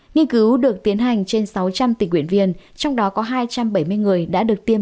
nghiên cứu được tiến hành trên sáu trăm linh tình nguyện viên trong đó có hai trăm bảy mươi người đã được tiêm